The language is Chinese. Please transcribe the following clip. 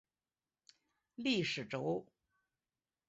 历史轴。